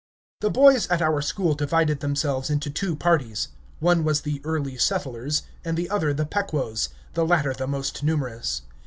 The boys at our school divided themselves into two parties: one was the Early Settlers and the other the Pequots, the latter the most numerous.